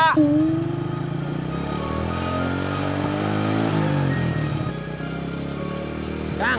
kang udah berapa ini